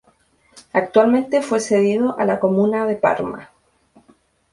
Actualmente fue cedido a la comuna de Parma.